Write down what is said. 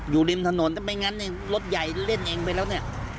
อยู่ริมถนนถ้าไม่งั้นเนี่ยรถใหญ่เล่นเองไปแล้วเนี่ย